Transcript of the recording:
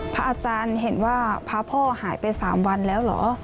พระอาจารย์เห็นว่าพระพ่อหายไป๓วันแล้วเหรอ